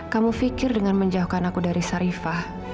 kamu pikir dengan menjauhkan aku dari sarifah